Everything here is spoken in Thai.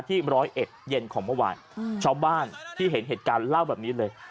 ร้อยเอ็ดเย็นของเมื่อวานชาวบ้านที่เห็นเหตุการณ์เล่าแบบนี้เลย